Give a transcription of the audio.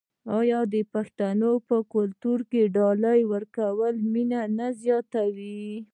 آیا د پښتنو په کلتور کې د ډالۍ ورکول مینه نه زیاتوي؟